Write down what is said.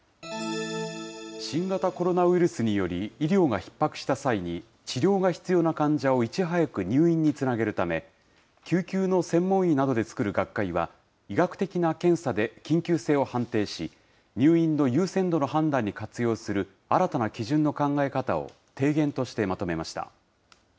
新型コロナウイルスにより、医療がひっ迫した際に治療が必要な患者をいち早く入院につなげるため、救急の専門医などで作る学会は、医学的な検査で緊急性を判定し、入院の優先度の判断に活用する新たな基準の考え方を、提言としてまとめました。